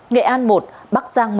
nghệ an một bắc giang một